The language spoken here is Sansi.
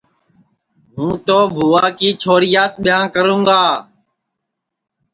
ہُوں تو بھُوا کی چھوریاس ٻِیانٚھ کروں گا